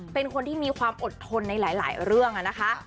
เป็นคนที่มีความอดทนในหลายเรื่องนะคะ